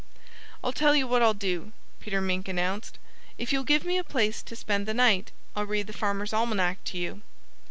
"I'll tell you what I'll do," Peter Mink announced. "If you'll give me a place to spend the night I'll read the Farmer's Almanac to you."